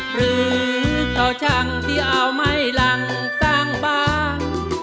หรือเขาช่างเดี๋ยวเอาไม้หลังสร้างบ้าน